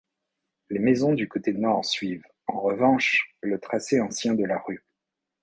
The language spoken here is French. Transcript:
Les maisons du côté nord suivent, en revanche, le tracé ancien de la rue.